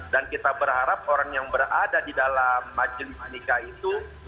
dan kita berharap orang yang berada di dalam majelis pernikah itu